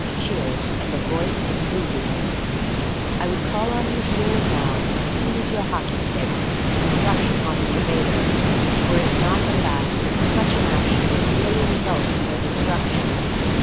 (Cheers, and a voice "Invooboo!") I would call on you here and now to seize your hockey sticks and rush upon the invader, were it not, alas! that such an action would merely result in your destruction.